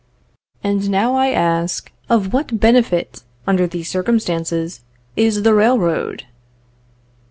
And I now ask, of what benefit, under these circumstances, is the railroad?